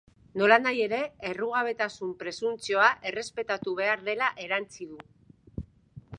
Nolanahi ere, errugabetasun-presuntzioa errespetatu behar dela erantsi du.